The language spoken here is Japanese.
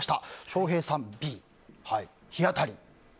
翔平さん、Ｂ、日当たり。